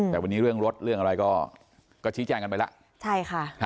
แต่วันนี้เรื่องรถเรื่องอะไรก็ชี้แจ้งกันไปแล้วใช่ค่ะ